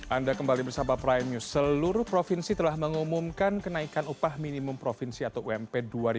anda kembali bersama prime news seluruh provinsi telah mengumumkan kenaikan upah minimum provinsi atau ump dua ribu dua puluh